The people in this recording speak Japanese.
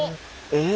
え！